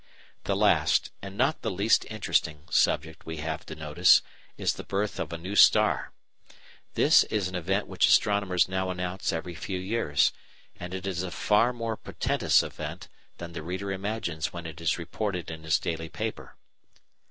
The last, and not the least interesting, subject we have to notice is the birth of a "new star." This is an event which astronomers now announce every few years; and it is a far more portentous event than the reader imagines when it is reported in his daily paper.